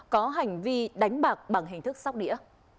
có hành vi đánh bạc bằng hình thức sóc đĩa